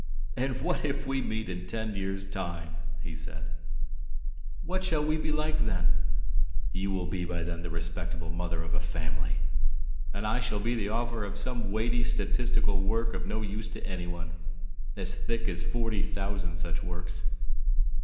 "And what if we meet in ten years' time?" he said. "What shall we be like then? You will be by then the respectable mother of a family, and I shall be the author of some weighty statistical work of no use to anyone, as thick as forty thousand such works.